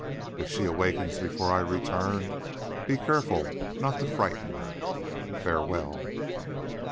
If she awakes before I return, be careful not to frighten her. Farewell!"